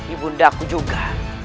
ibu nda ku juga